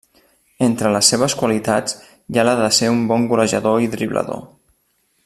Entre les seves qualitats hi ha la de ser un bon golejador i driblador.